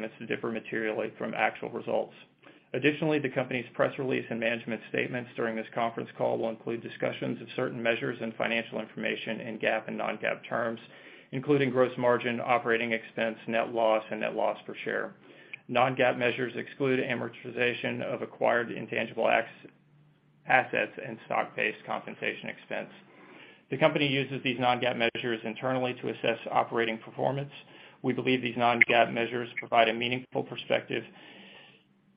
Forward-looking statements to differ materially from actual results. Additionally, the company's press release and management statements during this conference call will include discussions of certain measures and financial information in GAAP and non-GAAP terms, including gross margin, operating expense, net loss and net loss per share. Non-GAAP measures exclude amortization of acquired intangible assets and stock-based compensation expense. The company uses these non-GAAP measures internally to assess operating performance. We believe these non-GAAP measures provide a meaningful perspective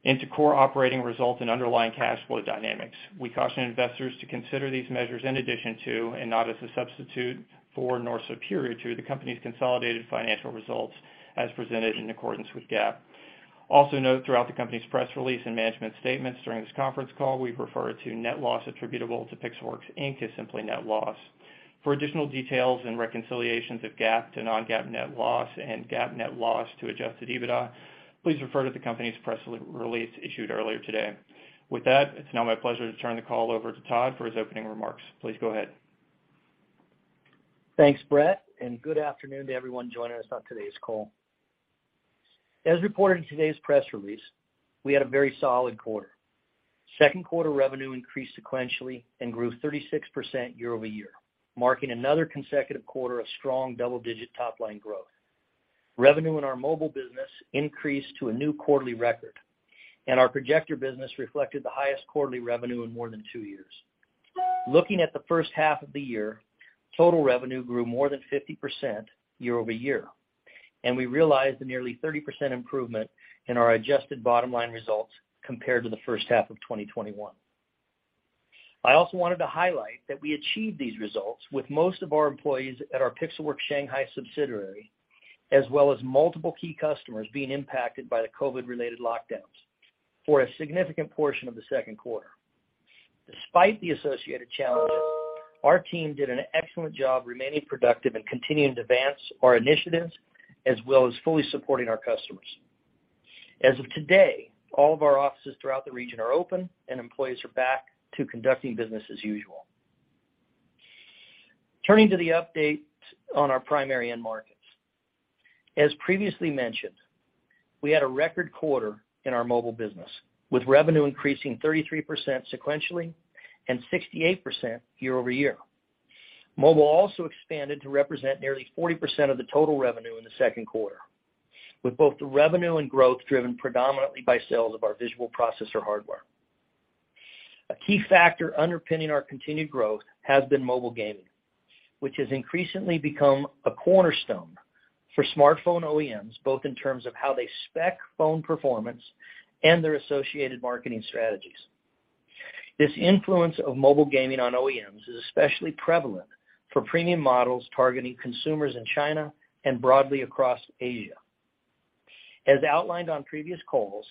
into core operating results and underlying cash flow dynamics. We caution investors to consider these measures in addition to and not as a substitute for, nor superior to, the company's consolidated financial results as presented in accordance with GAAP. Also note throughout the company's press release and management statements during this conference call, we refer to net loss attributable to Pixelworks, Inc. as simply net loss. For additional details and reconciliations of GAAP to non-GAAP net loss and GAAP net loss to Adjusted EBITDA, please refer to the company's press release issued earlier today. With that, it's now my pleasure to turn the call over to Todd for his opening remarks. Please go ahead. Thanks, Brett, and good afternoon to everyone joining us on today's call. As reported in today's press release, we had a very solid quarter. Second quarter revenue increased sequentially and grew 36% year-over-year, marking another consecutive quarter of strong double-digit top-line growth. Revenue in our mobile business increased to a new quarterly record, and our projector business reflected the highest quarterly revenue in more than two years. Looking at the first half of the year, total revenue grew more than 50% year-over-year, and we realized a nearly 30% improvement in our adjusted bottom-line results compared to the first half of 2021. I also wanted to highlight that we achieved these results with most of our employees at our Pixelworks Shanghai subsidiary, as well as multiple key customers being impacted by the COVID-related lockdowns for a significant portion of the second quarter. Despite the associated challenges, our team did an excellent job remaining productive and continuing to advance our initiatives as well as fully supporting our customers. As of today, all of our offices throughout the region are open, and employees are back to conducting business as usual. Turning to the update on our primary end markets. As previously mentioned, we had a record quarter in our mobile business, with revenue increasing 33% sequentially and 68% year-over-year. Mobile also expanded to represent nearly 40% of the total revenue in the second quarter, with both the revenue and growth driven predominantly by sales of our visual processor hardware. A key factor underpinning our continued growth has been mobile gaming, which has increasingly become a cornerstone for smartphone OEMs, both in terms of how they spec phone performance and their associated marketing strategies. This influence of mobile gaming on OEMs is especially prevalent for premium models targeting consumers in China and broadly across Asia. As outlined on previous calls,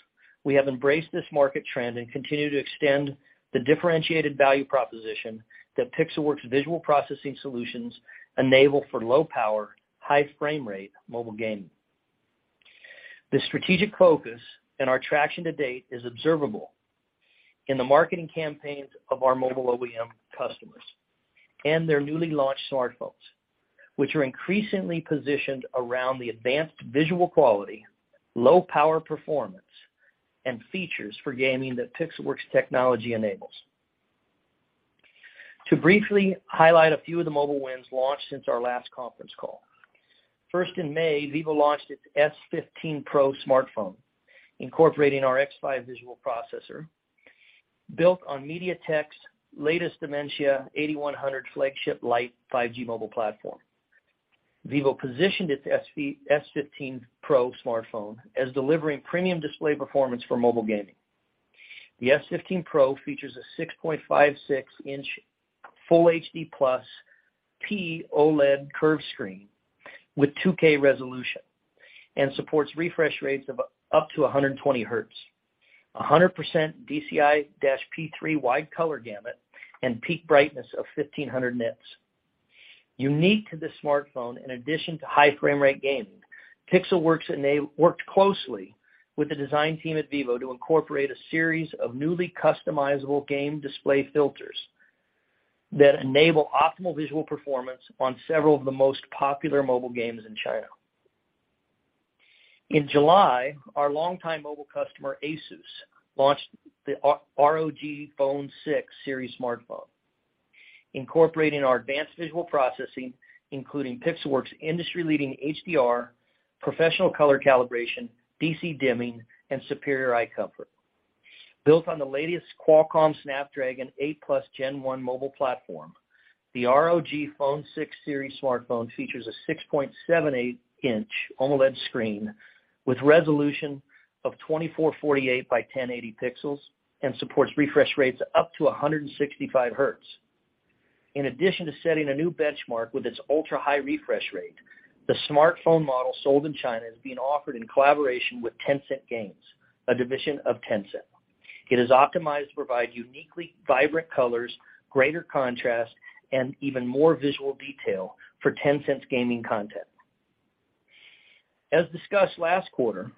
we have embraced this market trend and continue to extend the differentiated value proposition that Pixelworks' visual processing solutions enable for low-power, high frame rate mobile gaming. This strategic focus and our traction to date are observable in the marketing campaigns of our mobile OEM customers and their newly launched smartphones, which are increasingly positioned around the advanced visual quality, low power performance, and features for gaming that Pixelworks technology enables. To briefly highlight a few of the mobile wins launched since our last conference call. First, in May, Vivo launched its S15 Pro smartphone, incorporating our X5 visual processor, built on MediaTek's latest Dimensity 8100 flagship-level 5G mobile platform. Vivo positioned its S15 Pro smartphone as delivering premium display performance for mobile gaming. The S15 Pro features a 6.56-inch Full HD+ P-OLED curved screen with 2K resolution and supports refresh rates of up to 120 Hz, 100% DCI-P3 wide color gamut, and peak brightness of 1,500 nits. Unique to this smartphone, in addition to high frame rate gaming, Pixelworks worked closely with the design team at Vivo to incorporate a series of newly customizable game display filters that enable optimal visual performance on several of the most popular mobile games in China. In July, our longtime mobile customer ASUS launched the ROG Phone 6 series smartphone, incorporating our advanced visual processing, including Pixelworks' industry-leading HDR, professional color calibration, DC dimming, and superior eye comfort. Built on the latest Qualcomm Snapdragon 8+ Gen 1 mobile platform, the ROG Phone 6 series smartphone features a 6.78-inch OLED screen with a resolution of 2448 by 1080 pixels and supports refresh rates up to 165 hertz. In addition to setting a new benchmark with its ultra-high refresh rate, the smartphone model sold in China is being offered in collaboration with Tencent Games, a division of Tencent. It is optimized to provide uniquely vibrant colors, greater contrast, and even more visual detail for Tencent's gaming content. As discussed last quarter.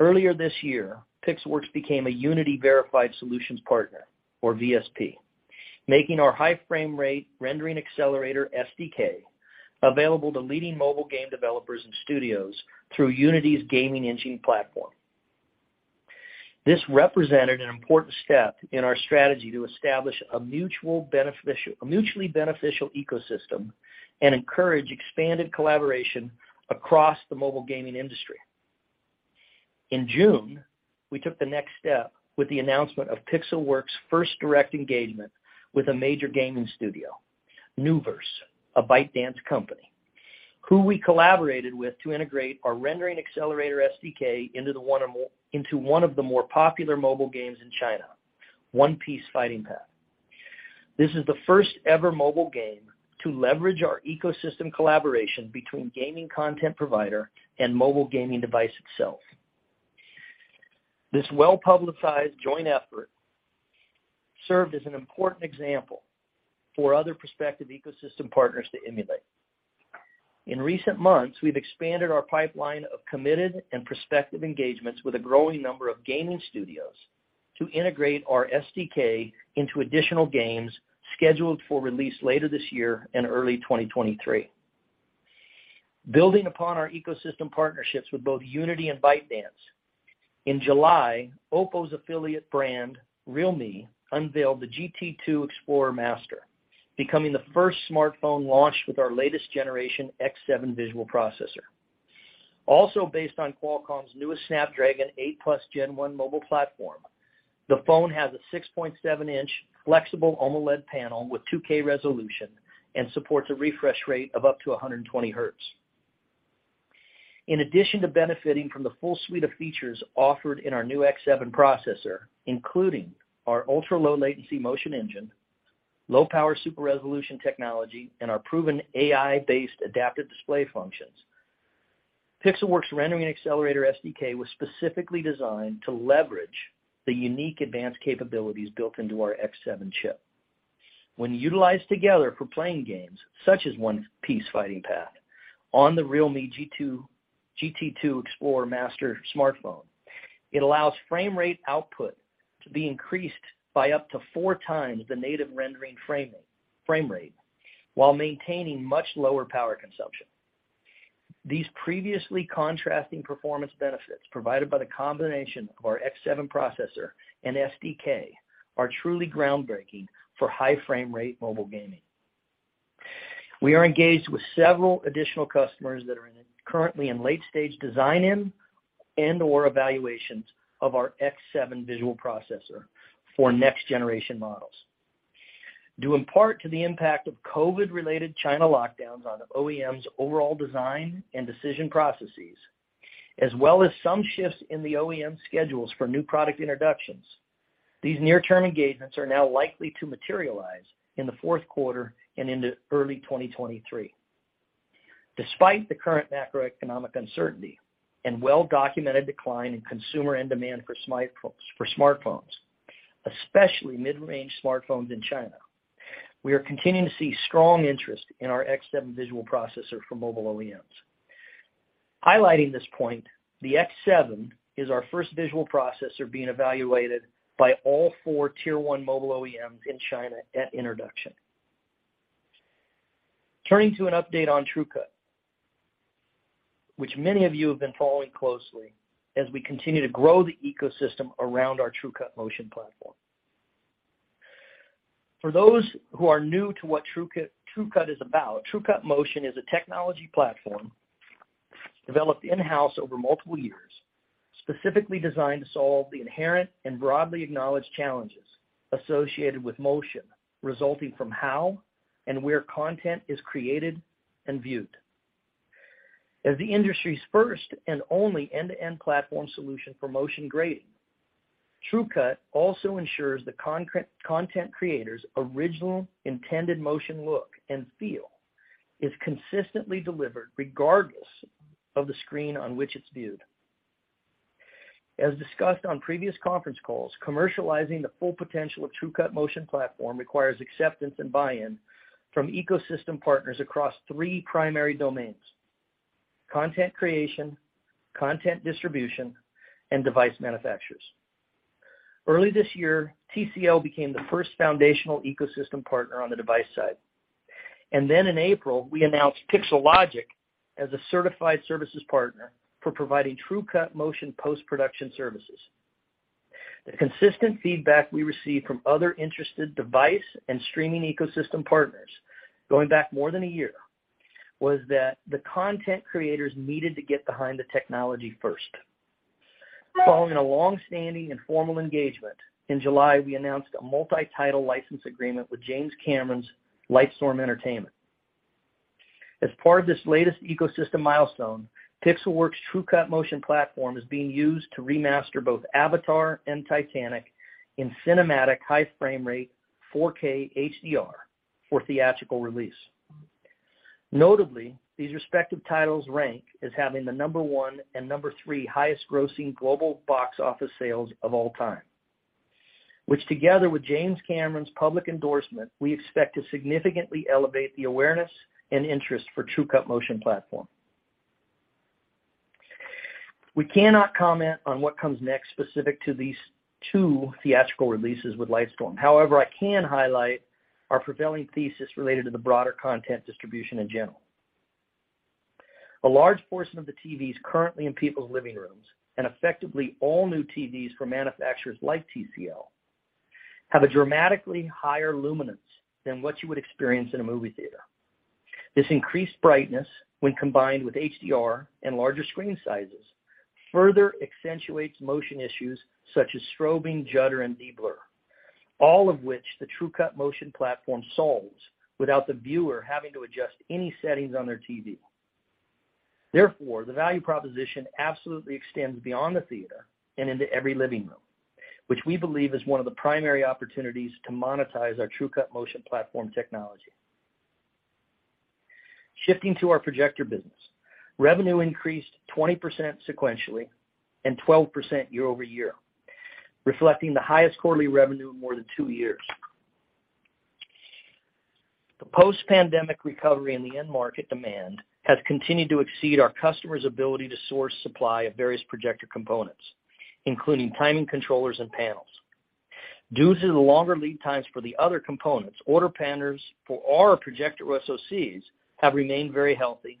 Earlier this year, Pixelworks became a Unity verified solutions partner, or VSP, making our high frame rate rendering accelerator SDK available to leading mobile game developers and studios through Unity's gaming engine platform. This represented an important step in our strategy to establish a mutually beneficial ecosystem and encourage expanded collaboration across the mobile gaming industry. In June, we took the next step with the announcement of Pixelworks first direct engagement with a major gaming studio, Nuverse, a ByteDance company, who we collaborated with to integrate our rendering accelerator SDK into one of the most popular mobile games in China, One Piece Fighting Path. This is the first-ever mobile game to leverage our ecosystem collaboration between the gaming content provider and the mobile gaming device itself. This well-publicized joint effort served as an important example for other prospective ecosystem partners to emulate. In recent months, we've expanded our pipeline of committed and prospective engagements with a growing number of gaming studios to integrate our SDK into additional games scheduled for release later this year and early 2023. Building upon our ecosystem partnerships with both Unity and ByteDance, in July, Oppo's affiliate brand, realme, unveiled the realme GT2 Explorer Master Edition, becoming the first smartphone launched with our latest generation X7 visual processor. Also based on Qualcomm's newest Snapdragon 8+ Gen 1 mobile platform, the phone has a 6.7-inch flexible OLED panel with 2K resolution and supports a refresh rate of up to 120 Hz. In addition to benefiting from the full suite of features offered in our new X7 processor, including our ultra-low latency motion engine, low-power super resolution technology, and our proven AI-based adaptive display functions, the Pixelworks rendering accelerator SDK was specifically designed to leverage the unique advanced capabilities built into our X7 chip. When utilized together for playing games such as One Piece Fighting Path on the realme GT2 Explorer Master Edition smartphone, it allows frame rate output to be increased by up to 4x the native rendering frame rate while maintaining much lower power consumption. These previously contrasting performance benefits provided by the combination of our X7 processor and SDK are truly groundbreaking for high frame rate mobile gaming. We are engaged with several additional customers that are currently in late-stage design-in and/or evaluations of our X7 visual processor for next-generation models. Due in part to the impact of COVID-related China lockdowns on OEMs' overall design and decision processes, as well as some shifts in the OEM schedules for new product introductions, these near-term engagements are now likely to materialize in the fourth quarter and into early 2023. Despite the current macroeconomic uncertainty and well-documented decline in consumer end demand for smartphones, especially mid-range smartphones in China, we are continuing to see strong interest in our X7 visual processor for mobile OEMs. Highlighting this point, the X7 is our first visual processor being evaluated by all four tier one mobile OEMs in China at introduction. Turning to an update on TrueCut, which many of you have been following closely as we continue to grow the ecosystem around our TrueCut Motion platform. For those who are new to what TrueCut is about, TrueCut Motion is a technology platform developed in-house over multiple years, specifically designed to solve the inherent and broadly acknowledged challenges associated with motion resulting from how and where content is created and viewed. As the industry's first and only end-to-end platform solution for motion grading, TrueCut also ensures the content creators' originally intended motion look and feel is consistently delivered regardless of the screen on which it's viewed. As discussed on previous conference calls, commercializing the full potential of TrueCut Motion platform requires acceptance and buy-in from ecosystem partners across three primary domains: content creation, content distribution, and device manufacturers. Early this year, TCL became the first foundational ecosystem partner on the device side. In April, we announced Pixelogic as a certified services partner for providing TrueCut Motion post-production services. The consistent feedback we received from other interested device and streaming ecosystem partners, going back more than a year, was that the content creators needed to get behind the technology first. Following a long-standing and formal engagement, in July, we announced a multi-title license agreement with James Cameron's Lightstorm Entertainment. As part of this latest ecosystem milestone, the Pixelworks TrueCut Motion platform is being used to remaster both Avatar and Titanic in cinematic high frame rate 4K HDR for theatrical release. Notably, these respective titles rank as having the number one and number three highest grossing global box office sales of all time, which, together with James Cameron's public endorsement, we expect to significantly elevate the awareness and interest for TrueCut Motion platform. We cannot comment on what comes next, specific to these two theatrical releases with Lightstorm. However, I can highlight our prevailing thesis related to the broader content distribution in general. A large portion of the TVs currently in people's living rooms, and effectively all new TVs from manufacturers like TCL, have a dramatically higher luminance than what you would experience in a movie theater. This increased brightness, when combined with HDR and larger screen sizes, further accentuates motion issues such as strobing, judder, and de-blur, all of which the TrueCut Motion platform solves without the viewer having to adjust any settings on their TV. Therefore, the value proposition absolutely extends beyond the theater and into every living room, which we believe is one of the primary opportunities to monetize our TrueCut Motion platform technology. Shifting to our projector business. Revenue increased 20% sequentially and 12% year-over-year, reflecting the highest quarterly revenue in more than two years. The post-pandemic recovery in the end market demand has continued to exceed our customers' ability to source a supply of various projector components, including timing controllers and panels. Due to the longer lead times for the other components, order patterns for our projector SoCs have remained very healthy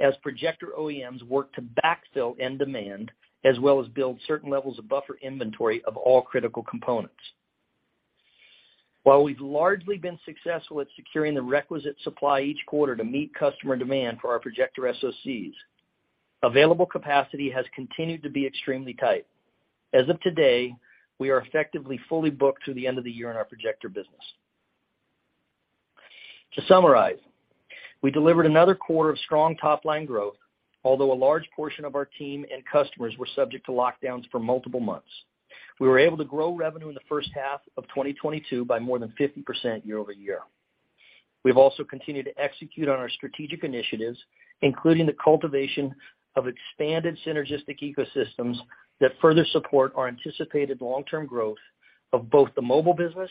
as projector OEMs work to backfill end demand as well as build certain levels of buffer inventory of all critical components. While we've largely been successful at securing the requisite supply each quarter to meet customer demand for our projector SoCs, available capacity has continued to be extremely tight. As of today, we are effectively fully booked through the end of the year in our projector business. To summarize, we delivered another quarter of strong top-line growth, although a large portion of our team and customers were subject to lockdowns for multiple months. We were able to grow revenue in the first half of 2022 by more than 50% year-over-year. We've also continued to execute on our strategic initiatives, including the cultivation of expanded synergistic ecosystems that further support our anticipated long-term growth of both the mobile business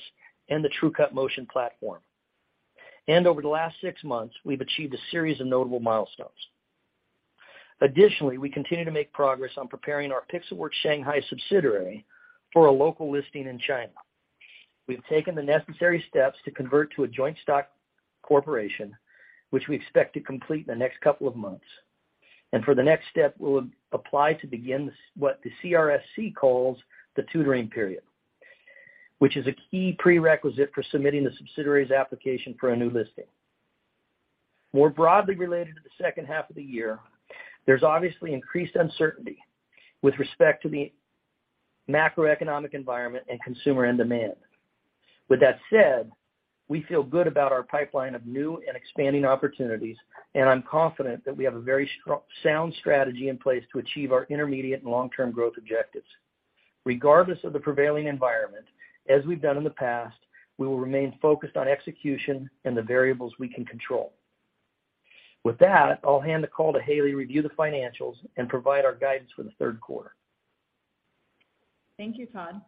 and the TrueCut Motion platform. Over the last six months, we've achieved a series of notable milestones. Additionally, we continue to make progress on preparing our Pixelworks Shanghai subsidiary for a local listing in China. We've taken the necessary steps to convert to a joint stock corporation, which we expect to complete in the next couple of months. For the next step, we'll begin what the CSRC calls the tutoring period, which is a key prerequisite for submitting the subsidiary's application for a new listing. More broadly related to the second half of the year, there's obviously increased uncertainty with respect to the macroeconomic environment and consumer demand. With that said, we feel good about our pipeline of new and expanding opportunities, and I'm confident that we have a very strong, sound strategy in place to achieve our intermediate and long-term growth objectives. Regardless of the prevailing environment, as we've done in the past, we will remain focused on execution and the variables we can control. With that, I'll hand the call to Haley to review the financials and provide our guidance for the third quarter. Thank you, Todd.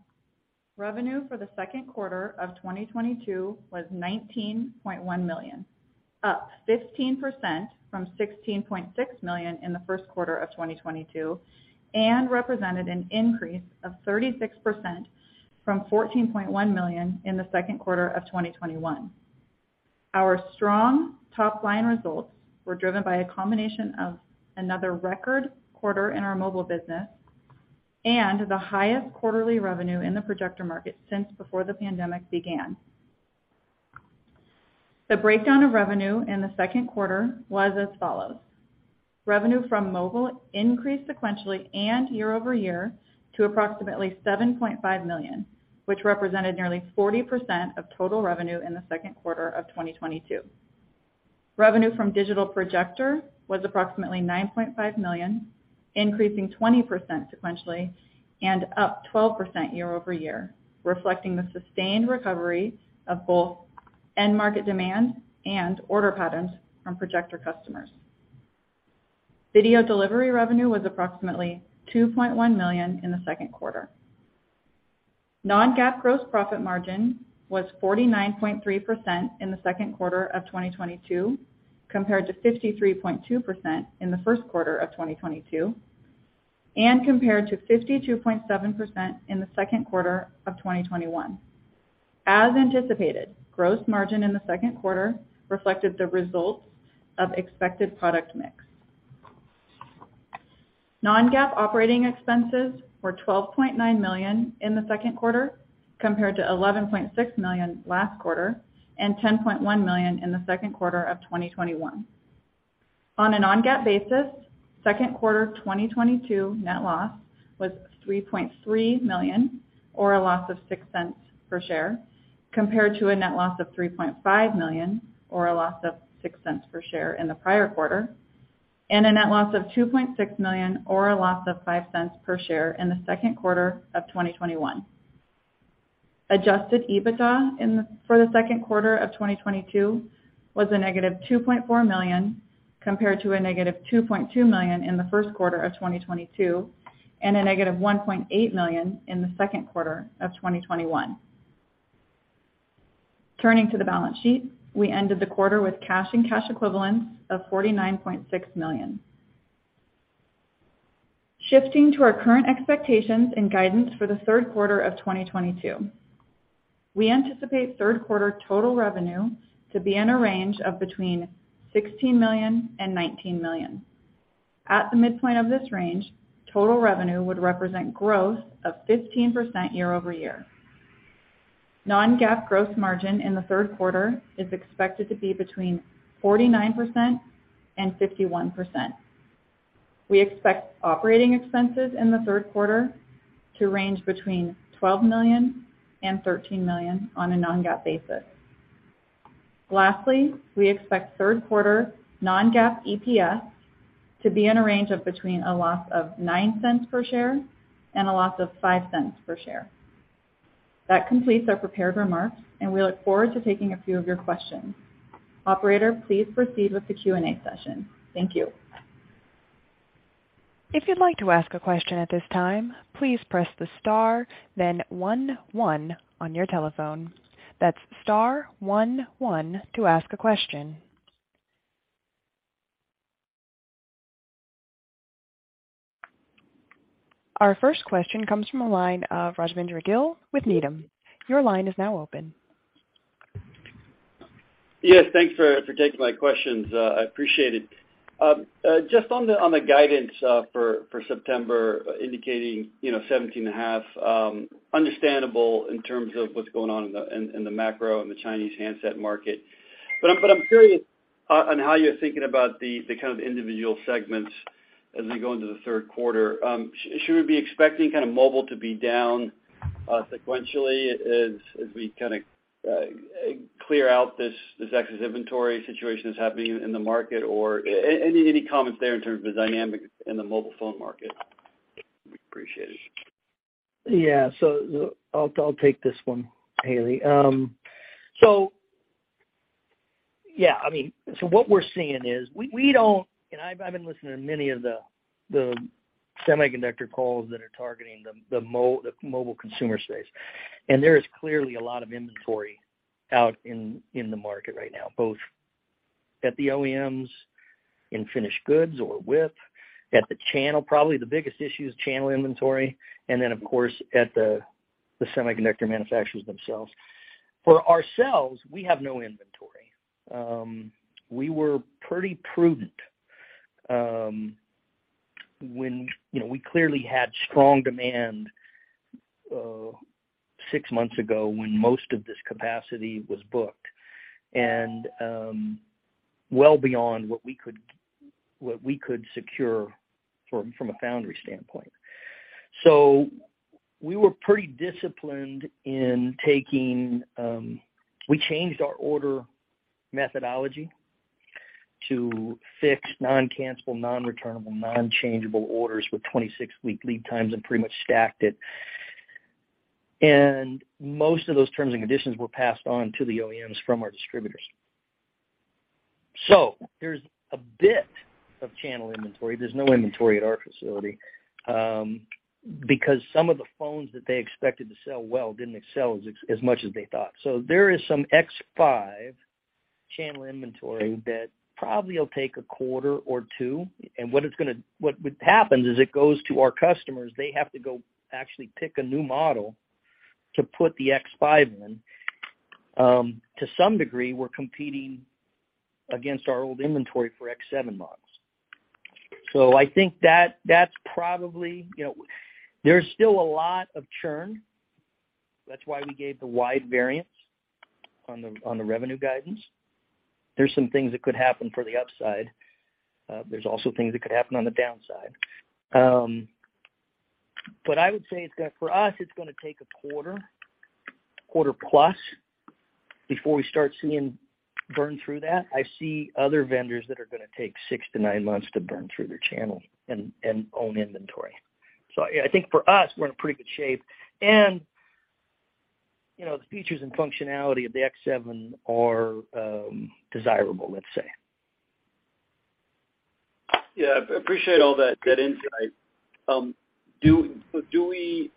Revenue for the second quarter of 2022 was $19.1 million, up 15% from $16.6 million in the first quarter of 2022, and represented an increase of 36% from $14.1 million in the second quarter of 2021. Our strong top-line results were driven by a combination of another record quarter in our mobile business and the highest quarterly revenue in the projector market since before the pandemic began. The breakdown of revenue in the second quarter was as follows. Revenue from mobile increased sequentially and year-over-year to approximately $7.5 million, which represented nearly 40% of total revenue in the second quarter of 2022. Revenue from digital projectors was approximately $9.5 million, increasing 20% sequentially and up 12% year-over-year, reflecting the sustained recovery of both end market demand and order patterns from projector customers. Video delivery revenue was approximately $2.1 million in the second quarter. Non-GAAP gross profit margin was 49.3% in the second quarter of 2022, compared to 53.2% in the first quarter of 2022, and compared to 52.7% in the second quarter of 2021. As anticipated, gross margin in the second quarter reflected the results of the expected product mix. Non-GAAP operating expenses were $12.9 million in the second quarter, compared to $11.6 million last quarter; and $10.1 million in the second quarter of 2021. On a non-GAAP basis, second quarter 2022 net loss was $3.3 million or a loss of $0.06 per share, compared to a net loss of $3.5 million or a loss of $0.06 per share in the prior quarter, and a net loss of $2.6 million or a loss of $0.05 per share in the second quarter of 2021. Adjusted EBITDA for the second quarter of 2022 was a negative $2.4 million compared to a negative $2.2 million in the first quarter of 2022, and a negative $1.8 million in the second quarter of 2021. Turning to the balance sheet, we ended the quarter with cash and cash equivalents of $49.6 million. Shifting to our current expectations and guidance for the third quarter of 2022. We anticipate third quarter total revenue to be in a range of between $16 million and $19 million. At the midpoint of this range, total revenue would represent growth of 15% year-over-year. Non-GAAP gross margin in the third quarter is expected to be between 49% and 51%. We expect operating expenses in the third quarter to range between $12 million and $13 million on a non-GAAP basis. Lastly, we expect third-quarter non-GAAP EPS to be in a range of between a loss of $0.09 per share and a loss of $0.05 per share. That completes our prepared remarks, and we look forward to taking a few of your questions. Operator, please proceed with the Q&A session. Thank you. If you'd like to ask a question at this time, please press the star then one on your telephone. That's star one to ask a question. Our first question comes from the line of Rajvindra Gill with Needham. Your line is now open. Yes, thanks for taking my questions. I appreciate it. Just on the guidance for September, indicating, you know, $17.5, understandable in terms of what's going on in the macro and the Chinese handset market. I'm curious about how you're thinking about the kind of individual segments as we go into the third quarter. Should we be expecting a kind of mobile to be down sequentially as we kinda clear out this excess inventory situation that's happening in the market? Or any comments there in terms of the dynamics in the mobile phone market? We appreciate it. Yeah. I'll take this one, Haley. I mean, what we're seeing is we don't, and I've been listening to many of the semiconductor calls that are targeting the mobile consumer space. There is clearly a lot of inventory out in the market right now, both at the OEMs in finished goods or WIP, at the channel, probably the biggest issue is channel inventory, and then, of course, at the semiconductor manufacturers themselves. For ourselves, we have no inventory. We were pretty prudent when, you know, we clearly had strong demand six months ago, when most of this capacity was booked and well beyond what we could secure from a foundry standpoint. We were pretty disciplined in taking. We changed our order methodology to fix non-cancelable, non-returnable, non-changeable orders with 26-week lead times and pretty much stacked it. Most of those terms and conditions were passed on to the OEMs from our distributors. There's a bit of channel inventory. There's no inventory at our facility, because some of the phones that they expected to sell well didn't sell as much as they thought. There is some X5 channel inventory that probably will take a quarter or two. What would happen is that it goes to our customers. They have to go and actually pick a new model to put the X5 in. To some degree, we're competing against our old inventory for X7 models. I think that's probably. You know, there's still a lot of churn. That's why we gave the wide variance on the revenue guidance. There's some things that could happen for the upside. There's also things that could happen on the downside. I would say for us, it's gonna take a quarter plus before we start seeing burn through that. I see other vendors that are gonna take six to nine months to burn through their channel and own inventory. I think for us, we're in pretty good shape. You know, the features and functionality of the X7 are desirable, let's say. Yeah, I appreciate all that insight. Do we,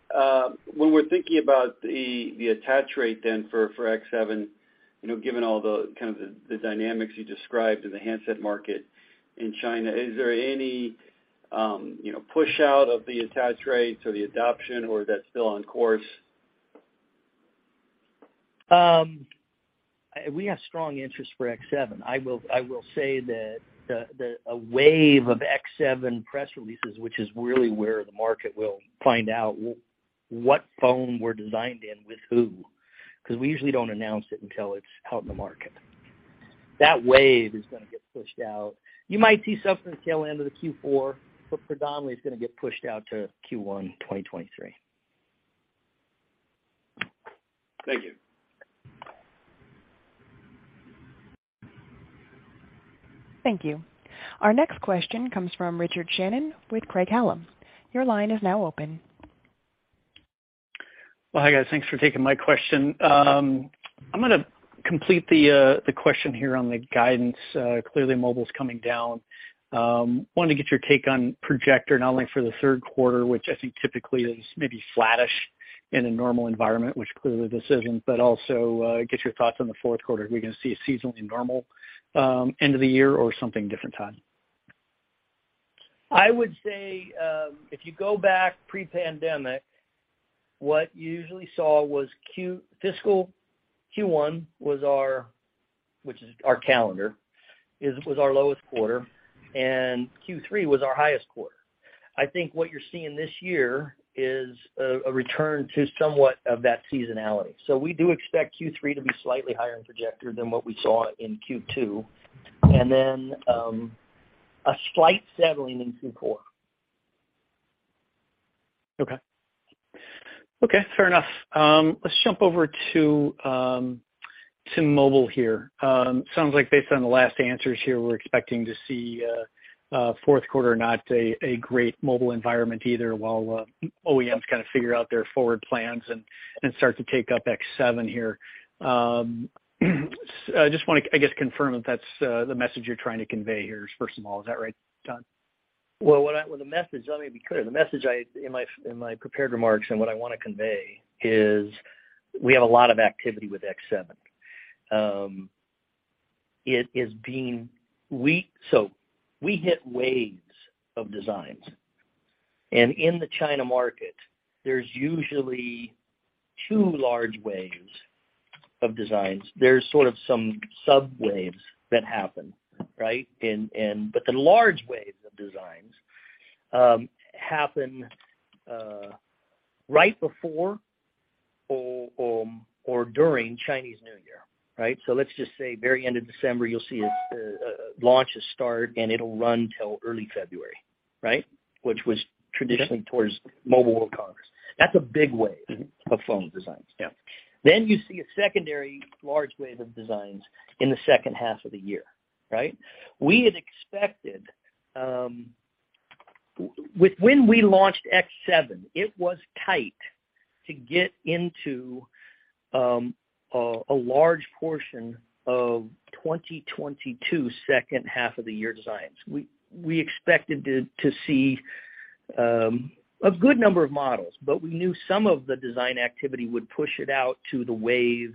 when we're thinking about the attach rate then for X7, you know, given all the kind of dynamics you described in the handset market in China, is there any, you know, push out of the attach rates or the adoption, or that's still on course? We have a strong interest for X7. I will say that a wave of X7 press releases, which is really where the market will find out what phone we're designed in with who, 'cause we usually don't announce it until it's out in the market. That wave is gonna get pushed out. You might see something tail end of the Q4, but predominantly it's gonna get pushed out to Q1 2023. Thank you. Thank you. Our next question comes from Richard Shannon with Craig-Hallum. Your line is now open. Well, hi guys. Thanks for taking my question. I'm gonna complete the question here on the guidance. Clearly mobile's coming down. Wanted to get your take on projector, not only for the third quarter, which I think typically is maybe flattish in a normal environment, which clearly this isn't, but also get your thoughts on the fourth quarter. Are we gonna see a seasonally normal end of the year or something different, Todd? I would say, if you go back pre-pandemic, what you usually saw was fiscal Q1, which is our calendar Q1, was our lowest quarter, and Q3 was our highest quarter. I think what you're seeing this year is a return to somewhat of that seasonality. We do expect Q3 to be slightly higher in projector than what we saw in Q2, and then a slight settling in Q4. Okay. Okay, fair enough. Let's jump over to mobile here. Sounds like based on the last answers here, we're expecting to see a fourth quarter not a great mobile environment either while OEMs kinda figure out their forward plans and start to take up X7 here. I just wanna, I guess, confirm if that's the message you're trying to convey here first of all. Is that right, Todd? The message, let me be clear. The message I in my prepared remarks and what I wanna convey is we have a lot of activity with X7. So we hit waves of designs. In the China market, there's usually two large waves of designs. There's sort of some sub waves that happen, right? The large waves of designs happen right before or during Chinese New Year, right? Let's just say very end of December, you'll see a launch, a start, and it'll run till early February, right? Which was traditionally towards Mobile World Congress. That's a big wave of phone designs. Yeah. You see a secondary large wave of designs in the second half of the year, right? We had expected, with when we launched X7, it was tight to get into a large portion of 2022 second half of the year designs. We expected to see a good number of models, but we knew some of the design activity would push it out to the wave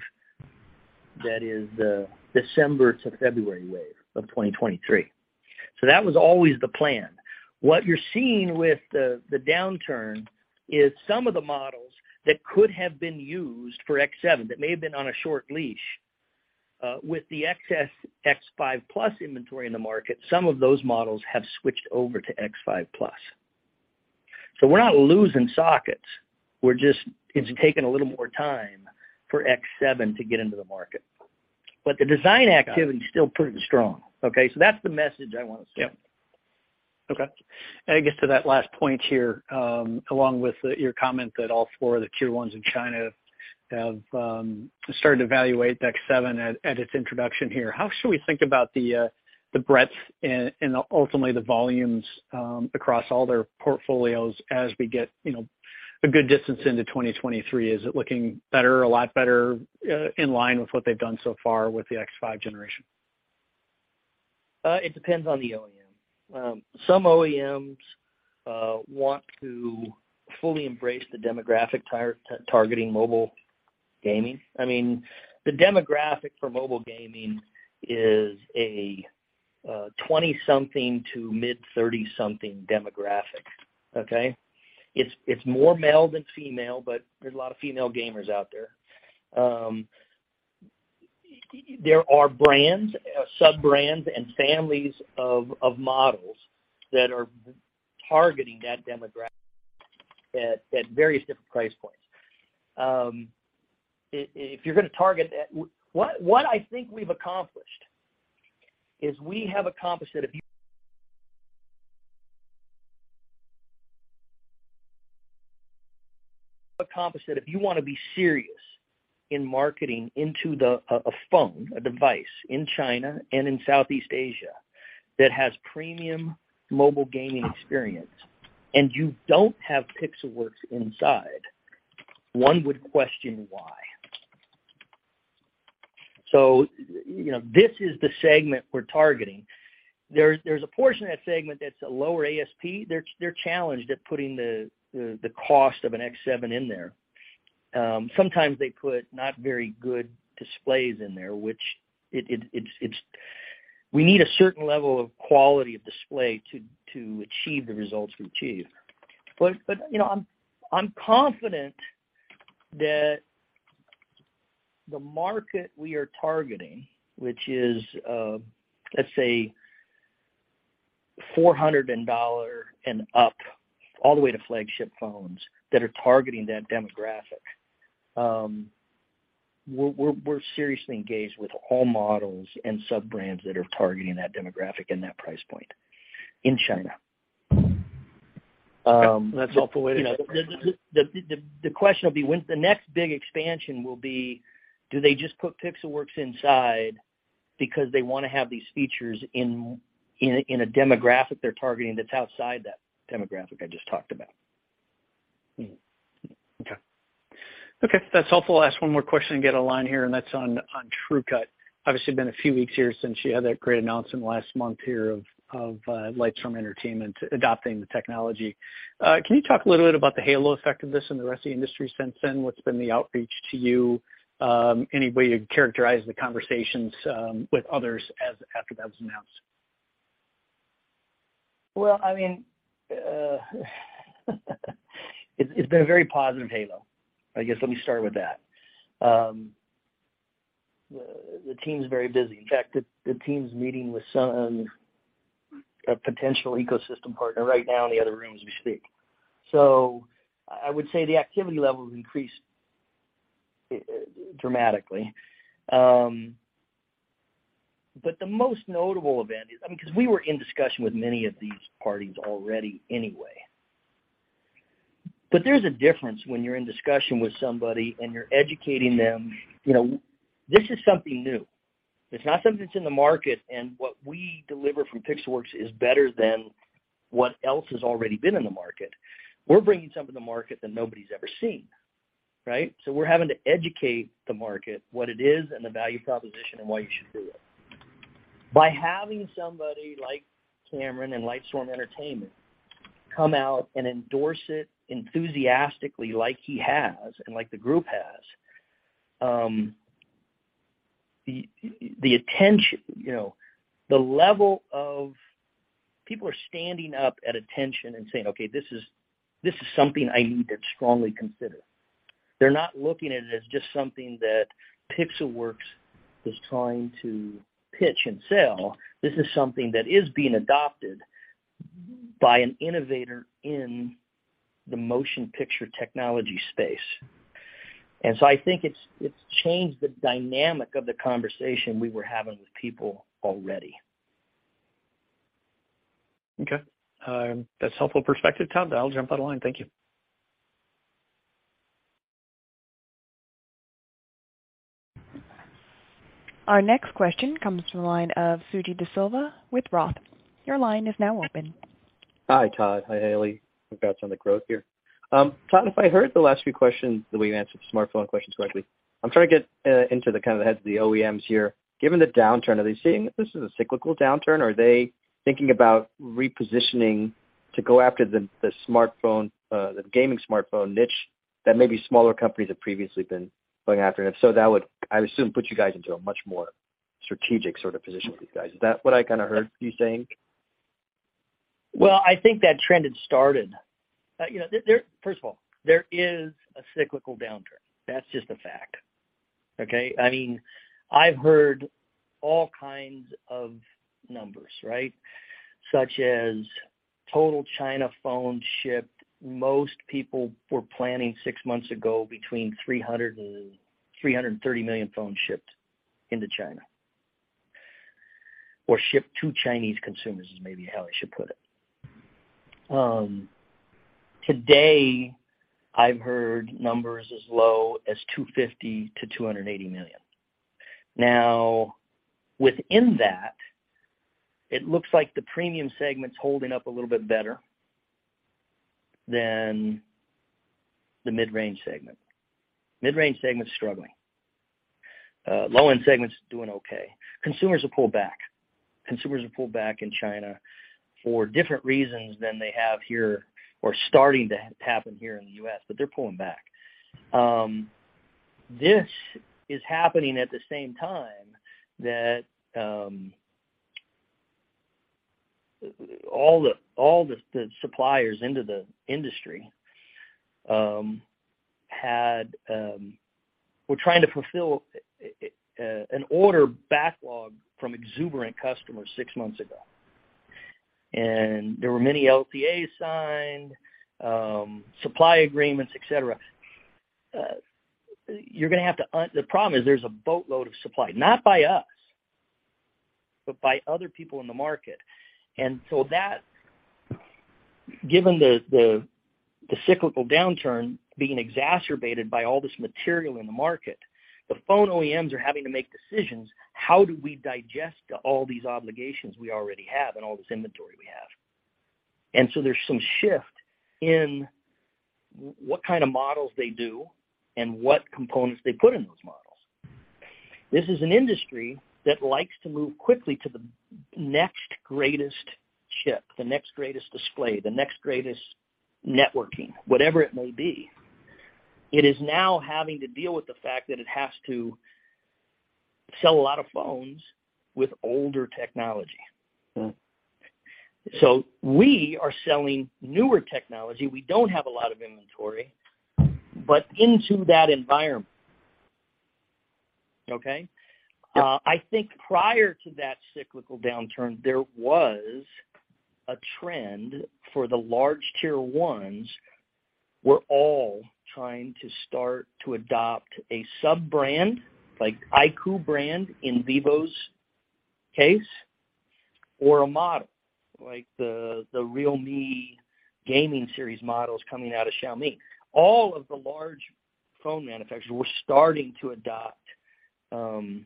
that is the December to February wave of 2023. That was always the plan. What you're seeing with the downturn is some of the models that could have been used for X7, that may have been on a short leash, with the excess X5 Plus inventory in the market, some of those models have switched over to X5 Plus. We're not losing sockets. It's taking a little more time for X7 to get into the market. The design activity is still pretty strong, okay? That's the message I wanna send. Yeah. Okay. I guess to that last point here, along with your comment that all four of the tier ones in China have started to evaluate X7 at its introduction here. How should we think about the breadth and ultimately the volumes across all their portfolios as we get a good distance into 2023? Is it looking better, a lot better, in line with what they've done so far with the X5 generation? It depends on the OEM. Some OEMs want to fully embrace the demographic targeting mobile gaming. I mean, the demographic for mobile gaming is a 20-something to mid-30-something demographic, okay? It's more male than female, but there's a lot of female gamers out there. There are brands, sub-brands, and families of models that are targeting that demographic at various different price points. If you're gonna target that. What I think we've accomplished is that if you wanna be serious in marketing a phone, a device in China and in Southeast Asia that has premium mobile gaming experience, and you don't have Pixelworks inside, one would question why. You know, this is the segment we're targeting. There's a portion of that segment that's a lower ASP. They're challenged at putting the cost of an X7 in there. Sometimes they put not very good displays in there. We need a certain level of quality of display to achieve the results we achieve. But you know, I'm confident that the market we are targeting, which is, let's say $400 and up all the way to flagship phones that are targeting that demographic, we're seriously engaged with all models and sub-brands that are targeting that demographic and that price point in China. That's all the way to. You know, the question will be when's the next big expansion will be, do they just put Pixelworks inside because they wanna have these features in a demographic they're targeting that's outside that demographic I just talked about. Mm-hmm. Okay. Okay, that's helpful. I'll ask one more question and get a line here, and that's on TrueCut. Obviously, been a few weeks here since you had that great announcement last month here of Lightstorm Entertainment adopting the technology. Can you talk a little bit about the halo effect of this in the rest of the industry since then? What's been the outreach to you? Any way to characterize the conversations with others as after that was announced? It's been a very positive halo. I guess let me start with that. The team's very busy. In fact, the team's meeting with a potential ecosystem partner right now in the other room as we speak. I would say the activity level has increased dramatically. The most notable event is, I mean, 'cause we were in discussion with many of these parties already anyway. There's a difference when you're in discussion with somebody and you're educating them. You know, this is something new. It's not something that's in the market, and what we deliver from Pixelworks is better than what else has already been in the market. We're bringing something to market that nobody's ever seen, right? We're having to educate the market what it is and the value proposition and why you should do it. By having somebody like James Cameron and Lightstorm Entertainment come out and endorse it enthusiastically like he has and like the group has, the attention, you know, the level of people are standing up at attention and saying, "Okay, this is something I need to strongly consider." They're not looking at it as just something that Pixelworks is trying to pitch and sell. This is something that is being adopted by an innovator in the motion picture technology space. I think it's changed the dynamic of the conversation we were having with people already. Okay. That's helpful perspective, Todd. I'll jump on the line. Thank you. Our next question comes from the line of Suji Desilva with Roth. Your line is now open. Hi, Todd. Hi, Haley. Congrats on the growth here. Todd, if I heard the last few questions, the way you answered the smartphone questions correctly, I'm trying to get into kinda the heads of the OEMs here. Given the downturn, are they seeing that this is a cyclical downturn? Are they thinking about repositioning to go after the smartphone, the gaming smartphone niche that maybe smaller companies have previously been going after? If so, that would, I assume, put you guys into a much more strategic sort of position with these guys. Is that what I kinda heard you saying? Well, I think that trend has started. You know, first of all, there is a cyclical downturn. That's just a fact, okay? I mean, I've heard all kinds of numbers, right? Such as total China phones shipped. Most people were planning six months ago that between 300 and 330 million phones would be shipped into China, or shipped to Chinese consumers, is maybe how I should put it. Today I've heard numbers as low as 250-280 million. Now, within that, it looks like the premium segment is holding up a little bit better than the mid-range segment. Mid-range segment's struggling. The low-end segment's doing okay. Consumers have pulled back. Consumers have pulled back in China for different reasons than they have here or starting to happen here in the U.S., but they're pulling back. This is happening at the same time that all the suppliers in the industry were trying to fulfill an order backlog from exuberant customers six months ago. There were many LTAs signed, supply agreements, et cetera. The problem is there's a boatload of supply, not by us, but by other people in the market. That, given the cyclical downturn being exacerbated by all this material in the market, the phone OEMs are having to make decisions, how do we digest all these obligations we already have and all this inventory we have? There's some shift in what kind of models they do and what components they put in those models. This is an industry that likes to move quickly to the next greatest chip, the next greatest display, the next greatest networking, whatever it may be. It is now having to deal with the fact that it has to sell a lot of phones with older technology. Mm-hmm. We are selling newer technology, we don't have a lot of inventory, but into that environment, okay? Yep. I think prior to that cyclical downturn, there was a trend for the large tier ones were all trying to start to adopt a sub-brand, like the iQOO brand in Vivo's case. Or a model like the Realme gaming series models coming out of Realme. All of the large phone manufacturers were starting to adopt, you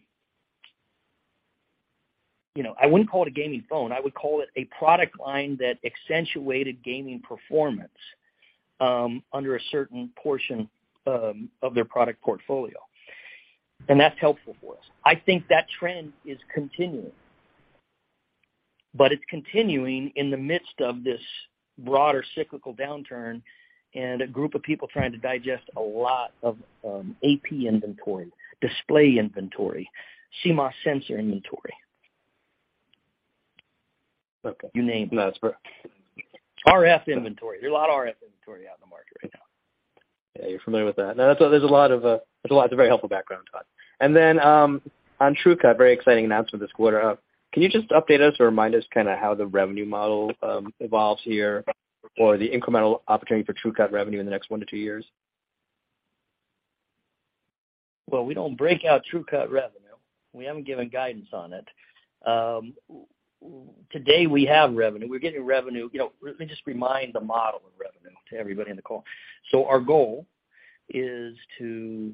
know, I wouldn't call it a gaming phone. I would call it a product line that accentuated gaming performance, under a certain portion of their product portfolio. That's helpful for us. I think that trend is continuing, but it's continuing in the midst of this broader cyclical downturn and a group of people trying to digest a lot of AP inventory, display inventory, and CMOS sensor inventory. Okay. You name it. That's great. RF inventory. There's a lot of RF inventory out in the market right now. Yeah, you're familiar with that. Now, there's a lot of very helpful background, Todd. On TrueCut, a very exciting announcement this quarter. Can you just update us or remind us, kinda, how the revenue model evolves here, or the incremental opportunity for TrueCut revenue in the next one to two years? Well, we don't break out TrueCut revenue. We haven't given guidance on it. Today, we have revenue. We're getting revenue. You know, let me just remind the model of revenue to everybody in the call. Our goal is to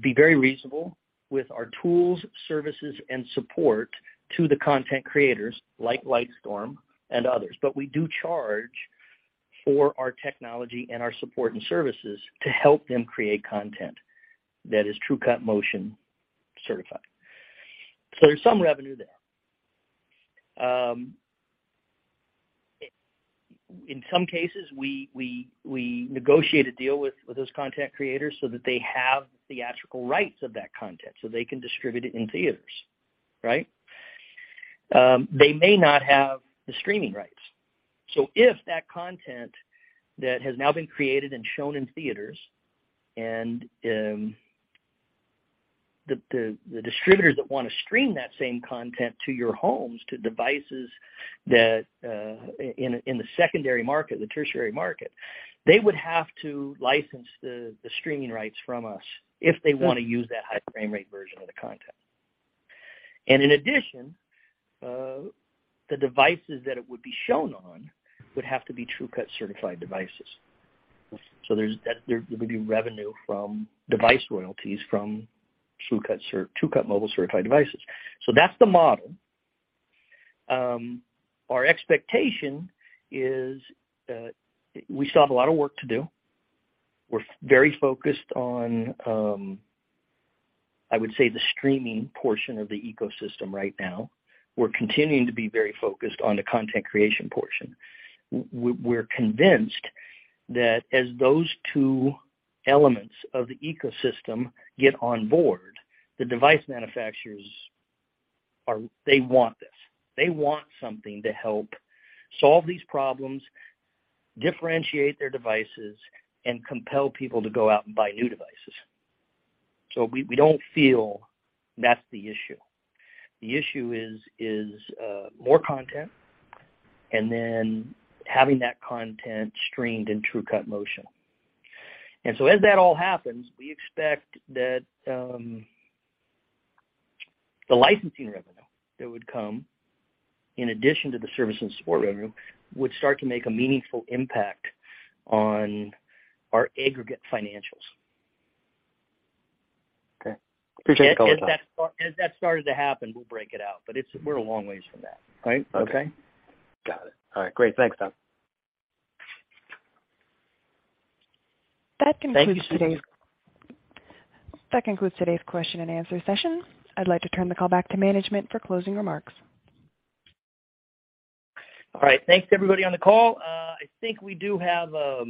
be very reasonable with our tools, services, and support to the content creators like Lightstorm and others. We do charge for our technology, and our support, and services to help them create content that is TrueCut Motion certified. There's some revenue there. In some cases, we negotiate a deal with those content creators so that they have theatrical rights to that content, so they can distribute it in theaters, right? They may not have the streaming rights. If that content that has now been created and shown in theaters and the distributors that wanna stream that same content to your homes, to devices that in the secondary market, the tertiary market, they would have to license the streaming rights from us if they wanna use that high frame rate version of the content. In addition, the devices that it would be shown on would have to be TrueCut-certified devices. There would be revenue from device royalties from TrueCut Mobile-certified devices. That's the model. Our expectation is we still have a lot of work to do. We're very focused on, I would say, the streaming portion of the ecosystem right now. We're continuing to be very focused on the content creation portion. We're convinced that as those two elements of the ecosystem get on board, the device manufacturers are. They want this. They want something to help solve these problems, differentiate their devices, and compel people to go out and buy new devices. We don't feel that's the issue. The issue is more content, and then having that content streamed in TrueCut Motion. As that all happens, we expect that the licensing revenue that would come in addition to the service and support revenue would start to make a meaningful impact on our aggregate financials. Okay. Appreciate the color, Todd. As that started to happen, we'll break it out. It's. We're a long way from that. Right? Okay. Got it. All right. Great. Thanks, Todd. That concludes today's. Thank you. That concludes today's question and answer session. I'd like to turn the call back to management for closing remarks. All right. Thanks, everybody on the call. I think we do have a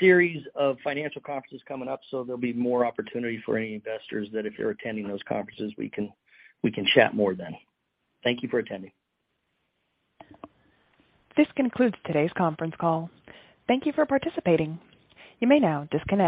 series of financial conferences coming up, so there'll be more opportunity for any investors that if you're attending those conferences, we can chat more then. Thank you for attending. This concludes today's conference call. Thank you for participating. You may now disconnect.